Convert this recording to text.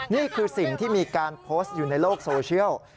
นี่คือสิ่งที่มีการโพสต์อยู่ในโลกโซเชียล